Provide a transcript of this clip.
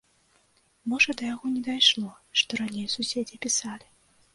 Можа да яго не дайшло, што раней суседзі пісалі.